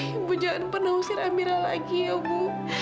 ibu jangan pernah usir amira lagi ya bu